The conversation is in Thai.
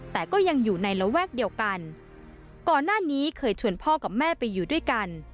แต่ก็ยังอยู่ในระแวกเดียวกันก่อนหน้านี้เคยชวนพ่อกับแม่ไปอยู่ด้วยกัน